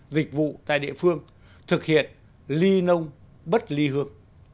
việc vụ tại địa phương thực hiện ly nông bất ly hương